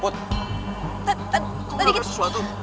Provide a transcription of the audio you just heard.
put kau merasa sesuatu